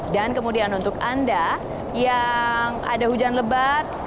kemudian untuk anda yang ada hujan lebat